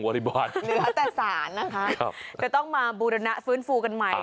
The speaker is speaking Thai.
บริบวันเนื้อแต่สารนะคะครับจะต้องมาบุรณะฟื้นฟูกันใหม่